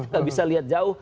kita bisa lihat jauh